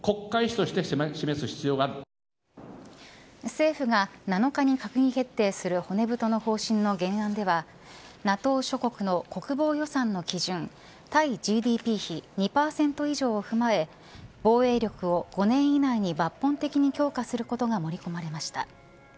政府が７日に閣議決定する骨太の方針の原案ではＮＡＴＯ諸国の国防予算の基準対ＧＤＰ比２％以上を踏まえ防衛力を５年以内に抜本的に強化することが盛り込まれました。